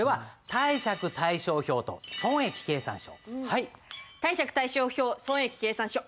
貸借対照表と損益計算書。